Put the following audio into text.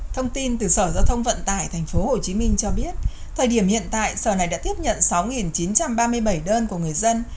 thông tin từ sở giao thông vận tải tp hcm cho biết thời điểm hiện tại sở này đã tiếp nhận sáu chín trăm ba mươi bảy đơn của người dân